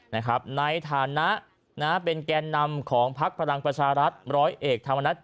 ในฐานะเป็นแก่นำของพักพลังประชารัฐร้อยเอกธรรมนัฐ